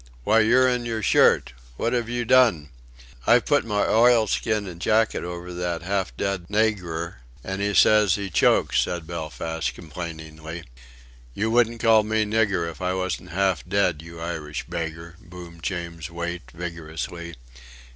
Why, you're in your shirt! What have you done?" "I've put my oilskin and jacket over that half dead nayggur and he says he chokes," said Belfast, complainingly. "You wouldn't call me nigger if I wasn't half dead, you Irish beggar!" boomed James Wait, vigorously.